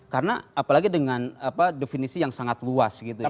karena apalagi dengan definisi yang sangat luas gitu ya